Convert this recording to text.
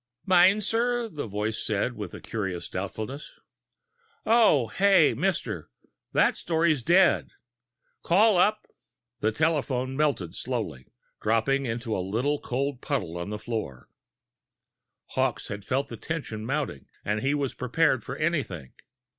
"Meinzer," the voice said, with a curious doubtfulness. "Oh, yeah. Mister, that story's dead! Call up...." The telephone melted slowly, dropping into a little cold puddle on the floor! Hawkes had felt the tension mounting, and he was prepared for anything.